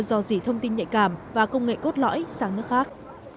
do dỉ thông tin nhạy cảm và công nghệ cốt lõi sang nước khác